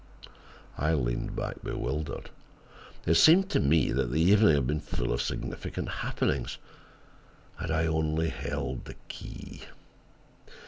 I leaned back bewildered. It seemed to me that the evening had been full of significant happenings, had I only held the key.